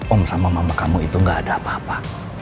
om sama mama kamu itu gak ada apa apa